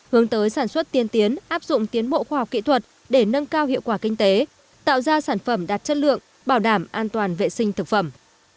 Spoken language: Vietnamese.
hướng tới sản xuất tiên tiến áp dụng tiến bộ khoa học kỹ thuật để nâng cao hiệu quả kinh tế tạo ra sản phẩm đạt chất lượng bảo đảm an toàn vệ sinh thực phẩm